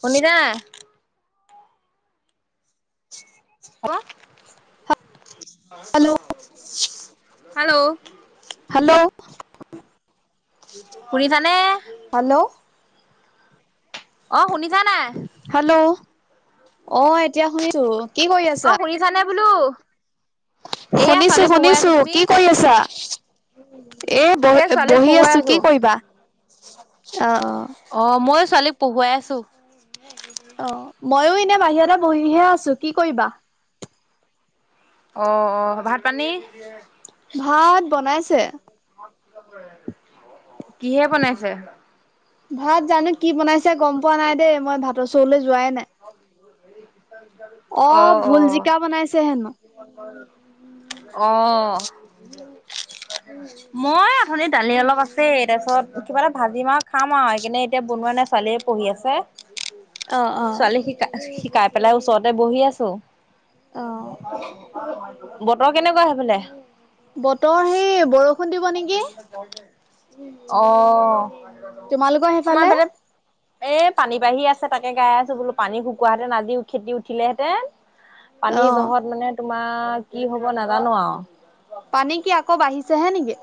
কলিতা। হ'ব hello [unintelligible] hello? Hello? শুনিছানে? Hello? অ', শুনিছা নাই? হেল্ল', অ', এতিয়া শুনিছোঁ‌, কি কৰি আছ? অ' শুনিছানে বোলো? এয়া শুনিছোঁ‌, ছোৱালীক পঢ়ুৱাই আছো। শুনিছোঁ‌, তুমি? কি কৰি আছা? এই এ ছোৱালীক বহ-বহি পঢ়ুৱাই আছোঁ‌, আছো। কি কৰিবা? অ'-অ'। অ', মইও ছোৱালীক পঢ়ুৱাই আছোঁ‌। অ', মইয়ো এনে বাহিৰতে বহিহে আছোঁ‌, কি কৰিবা? অ'-অ', ভাত পানী? ভাত বনাইছে। কিহে বনাইছে? ভাত জানো কি বনাইছে গম পোৱা নাই দেই, মই ভাতৰ চৰুলে যোৱাই নাই। [unintelligible] অ', ভুল জিকা বনাইছে হেনো। অ'। মই অথনিৰ দালি অলপ আছেই তাৰপিছত, কিবা এটা ভাজিম আৰু খাম আৰু, সেইকাৰনে এতিয়া বনোৱা নাই, ছোৱালীয়ে পঢ়ি আছে। অ অ ছোৱালী শিকা-শিকাই পেলাই ওচৰতে বহি আছোঁ‌। অ বতৰ কেনেকুৱা হেইফালে? বতৰ সেই বৰষু অ', তোমালোকৰ আমাৰ সেইফালে? এইফালে এ পানী বাঢ়ি আছে, তাকে গাই আছোঁ‌, বোলো পানী শুকুৱা হেঁতেন আজি খেতি উঠিলেহেঁতেন পানী অ জহত মানে তোমাৰ, কি হ'ব নাজা আৰু। পানী কি আকৌ বাঢ়িছেহে নেকি?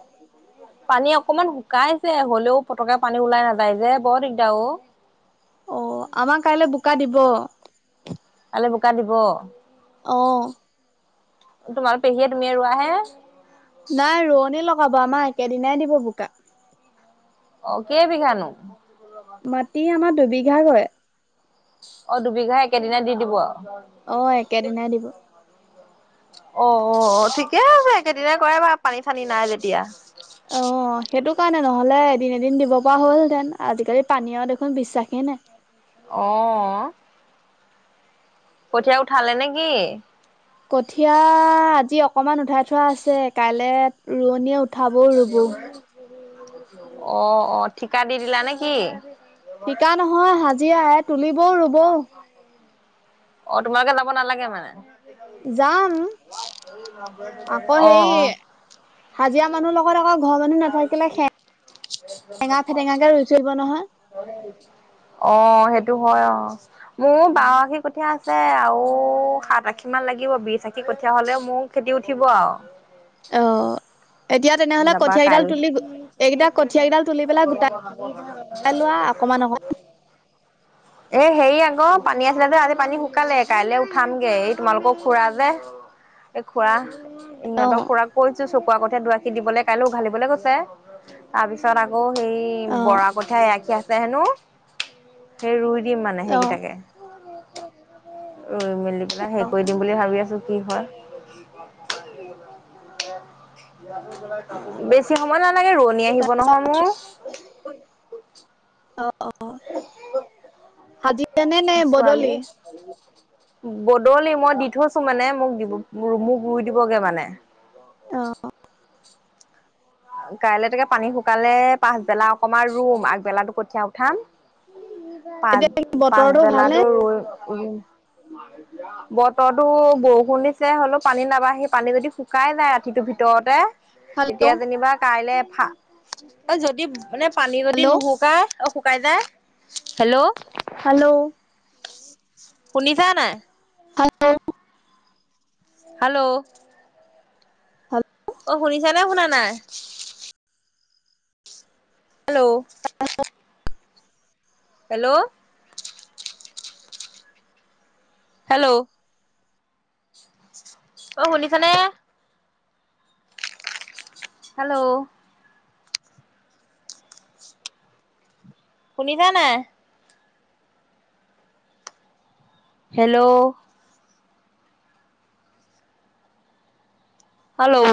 পানী অকমান শুকাইছে, হ'লেও পতককে পানী ওলাই নাযায় যে বৰ দিগদাৰ অ'। অ', আমাৰ কাইলে বোকা দিব। কাইলে বোকা দিব? অ'। তোমালোক, পেহীয়ে তুমি ৰুৱাহে? নাই ৰোৱনী লগাব, আমাৰ একে দিনাই দিব বোকা। অ', কেই বিঘানো? মাটি আমাৰ দুবিঘা ৰুৱে। অ', দুবিঘা একেদিননা দি দিব আৰু? অ', একেদিনাই দিব। অ'-অ'-অ', ঠিকে আছে, একেদিনাই কৰাই ভাল পানী চানি নাই যেতিয়া। [unintelligible] অ', সেইটো কাৰণে, নহ'লে এদিন এদিন দিব পৰা হ'ল হেতেন।, আজিকালি পানী আৰু দেখোন বিশ্বাসেই নাই। অঁ! কঠীয়া উঠালে নেকি? কঠিয় আজি অকমান উঠাই থোৱা আছে কাইলে ৰোৱনীয়ে উঠ- অঁ অঁ ঠিকা দি দিলা নে কি? থিকা নহয় হাজিৰা এ তুলি বও ৰুব- অঁ তোমালোকে যাব নালাগে মানে। যাম আকৌ অ হেই হাজিৰা মানুহ লগত আক- ঘৰ মানুহ নাথাকিলে সেৰেঙা ফেটেঙা কে ৰুই থই দিব নহয়। অঁ সেইটো হয়ঁ অঁ মোৰ বাৰ আশী কঠীয়া আছে। মুঠতে আৰু সাত, আশী মান লাগিব বি আশী কঠীয়া হ'লেও মোৰ খেতি উঠিব আৰু- অঁ! এতিয়া আৰু তেনেহ'লে তাপা কঠিয়, কেইডাল কাইল তুলি এইকেইটা কঠিয় কেইডাল তুলি পেলাই গোটাই লোৱা অকমান অকমান। [inaudible] এ হেৰি আকৌ পানী আছিলে যে আজি পানী শুকালে কাইলৈ উঠামগে এই তোমালোকক খুৰা যে। এই খুৰা ইিহঁতক অ', খুৰাক কৈছোঁ চকু আগততে দআশি দিবলৈ কাইলৈ উঘালিবলৈ গৈছে। তাৰপিছত আকৌ সেই অ', বৰা কঠীয়া এ আখী আছে হেনো। সেই ৰুই দিম মানে অ', সেইকেইটাকে- ই মেলি পেলাই হে কৰি দিম বুলি ভাবি আছোঁ কি হয়। [unintelligible] বেছি সময় নালাগে ৰোৱনী আহিব নহয় মোৰ। অঁ অঁ! নে নে বদলি ছোৱালী- বদলি মই দি থৈছো মানে মোক দ মোক ৰুই দিবগে মানে। আহ- কাইলৈ তাকে পানী শুকালে পাছবেলা অকমান ৰুম আগবেলাতো কঠীয়া উঠাম। পাছ এতিয়া বতৰটো ভালনে? পাছবেলাটো ৰুই - বতৰটো বৰষুণ দিছে হ'লেও পানী নাবাঢ়ি পানী যদি শুকাই যায় ৰাতিটোৰ ভিতৰতে- তেতিয়া হেল্ল', যেনিবা কাইলে ফা যদি মানে পানী যদি হেল্ল', নুশুকাই অহ! শুকাই য়ায় হেল্লৌ! হেল্লৌ! শুনিছা নাই? Hello, hello! হেল্লৌ! অঁ শুনিছা নে শুনা নাই? হেল্লৌ! হেল্লৌ! হেল্লৌ! অঁ শুনিছানে? হেল্লৌ! শুনিছা নাই? হেল্লৌ! হেল্লৌ!